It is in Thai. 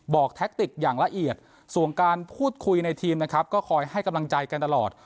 แท็กติกอย่างละเอียดส่วนการพูดคุยในทีมนะครับก็คอยให้กำลังใจกันตลอด